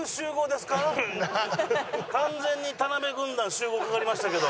完全に田辺軍団集合かかりましたけど。